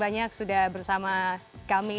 banyak sudah bersama kami